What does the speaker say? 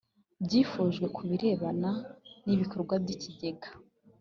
byifujwe ku birebana n ibikorwa by ikigega